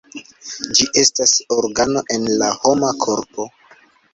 Ĝi estas organo en la homa korpo.